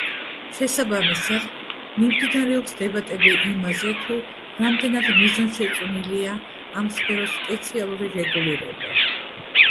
შესაბამისად, მიმდინარეობს დებატები იმაზე, თუ რამდენად მიზანშეწონილია ამ სფეროს სპეციალური რეგულირება.